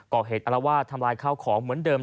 อารวาสทำลายข้าวของเหมือนเดิม